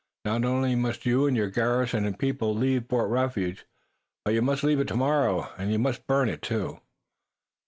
"Not only must you and your garrison and people leave Fort Refuge, but you must leave it tomorrow, and you must burn it, too."